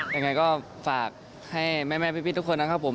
ยังไงก็ฝากให้แม่พี่ทุกคนนะครับผม